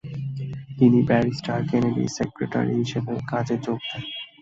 তিনি ব্যারিস্টার কেনেডীর সেক্রেটারি হিসাবে কাজে যোগ দেন।